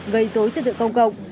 gây dối chức tượng công cộng